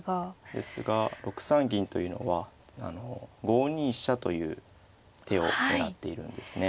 ですが６三銀というのはあの５二飛車という手を狙っているんですね。